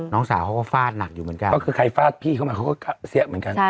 น้องสาวเขาก็ฟาดหนักอยู่เหมือนกันก็คือใครฟาดพี่เข้ามาเขาก็เสี้ยเหมือนกัน